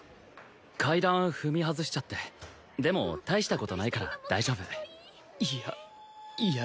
階段踏み外しちゃってでもたいしたことないから大丈夫いやいや